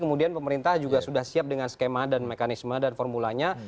kemudian pemerintah juga sudah siap dengan skema dan mekanisme dan formulanya